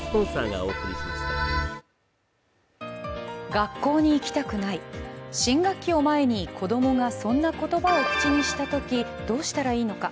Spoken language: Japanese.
学校に行きたくない、新学期を前に子供がそんな言葉を口にしたときどうしたらいいのか。